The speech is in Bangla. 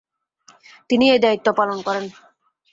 তিনি এ দায়িত্ব পালন করেন।